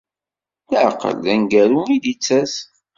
Leεqel d aneggaru i d-ittas.